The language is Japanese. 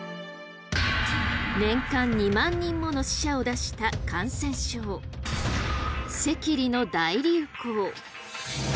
年間２万人もの死者を出した感染症赤痢の大流行。